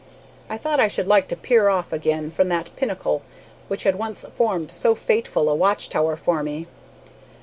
I thought I should like to peer off again from that pinnacle which had once formed so fateful a watch tower for me.